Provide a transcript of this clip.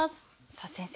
さあ先生